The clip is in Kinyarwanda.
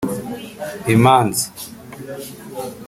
imanza